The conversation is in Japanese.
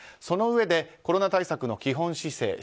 そのうえでコロナ対策の基本姿勢